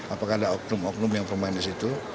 apakah ada oknum oknum yang bermain di situ